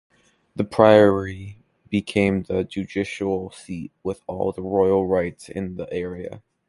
The priory became the judicial seat, with all the royal rights in the area.